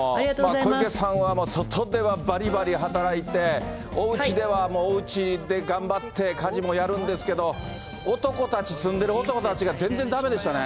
小池さんは外ではばりばり働いて、おうちでは、もうおうちで頑張って、家事もやるんですけど、男たち、住んでる男たちが全然だめでしたね。